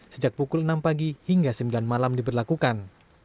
sejak pukul enam pagi hingga sembilan malam diberlakukan